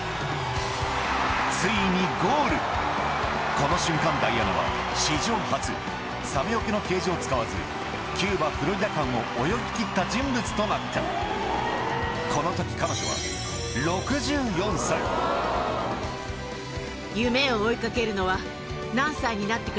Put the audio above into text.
この瞬間ダイアナは史上初サメよけのケージを使わずキューバ−フロリダ間を泳ぎきった人物となったこの時何かすごかったね。